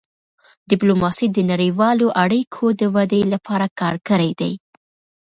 ډيپلوماسي د نړیوالو اړیکو د ودې لپاره کار کړی دی.